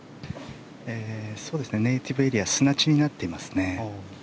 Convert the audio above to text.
ネイティブエリア砂地になっていますね。